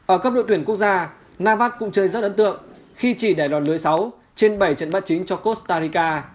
ở cấp đội tuyển quốc gia navas cũng chơi rất ấn tượng khi chỉ đẻ đòn lưới sáu trên bảy trận bắt chính cho costa rica